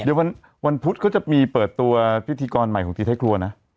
เดี๋ยววันพุธเขาจะมีเปิดตัวพิธีกรใหม่ของทีไทยครัวนะ